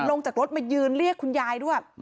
ลงจากรถมายืนเรียกคุณยายด้วย